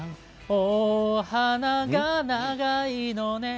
お花が長いのね」